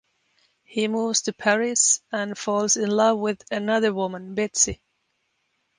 He moves to Paris and falls in love with another woman Betsy.